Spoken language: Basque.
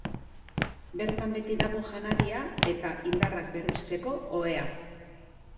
Bertan beti dago janaria eta indarrak berritzeko ohea.